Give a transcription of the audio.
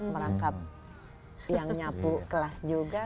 merangkap yang nyapu kelas juga